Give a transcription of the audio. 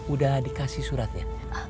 udah dikasih suratnya